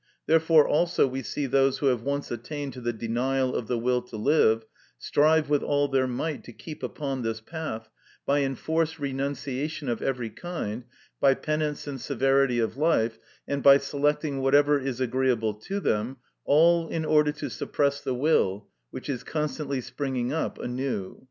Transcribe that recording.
Therefore also we see those who have once attained to the denial of the will to live strive with all their might to keep upon this path, by enforced renunciation of every kind, by penance and severity of life, and by selecting whatever is disagreeable to them, all in order to suppress the will, which is constantly springing up anew.